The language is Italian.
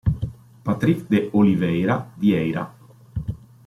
Patrick de Oliveira Vieira